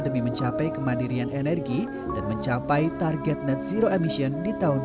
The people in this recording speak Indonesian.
demi mencapai kemandirian energi dan mencapai target net zero emission di tahun dua ribu dua puluh